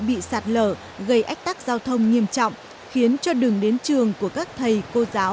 bị sạt lở gây ách tắc giao thông nghiêm trọng khiến cho đường đến trường của các thầy cô giáo